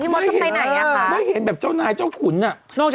ไม่เห็นจ้าวนายจ้าวขุนน่ะ